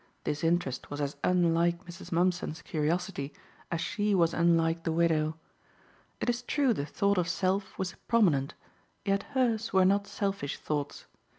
This interest was as unlike Mrs. Mumpson's curiosity as she was unlike the widow. It is true the thought of self was prominent, yet hers were not selfish thoughts.